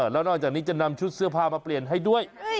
แล้วนอกจากนี้จะนำชุดเสื้อผ้ามาเปลี่ยนให้ด้วย